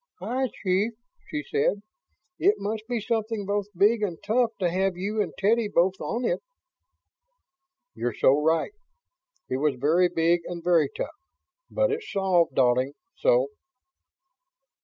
"Hi, chief," she said. "It must be something both big and tough, to have you and Teddy both on it." "You're so right. It was very big and very tough. But it's solved, darling, so